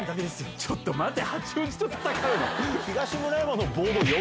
ちょっと待て八王子と戦うの？